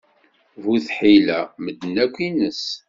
Bu tḥila, medden akk ines.